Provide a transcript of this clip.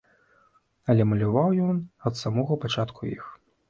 Але маляваў ён ад самага пачатку іх.